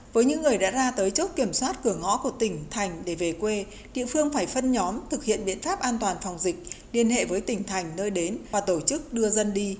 với những người đã ra tới chốt kiểm soát cửa ngõ của tỉnh thành để về quê địa phương phải phân nhóm thực hiện biện pháp an toàn phòng dịch liên hệ với tỉnh thành nơi đến và tổ chức đưa dân đi